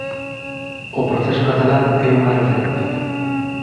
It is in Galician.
O proceso catalán é unha referencia.